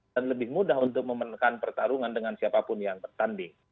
dan lebih mudah untuk memenangkan pertarungan dengan siapapun yang bertanding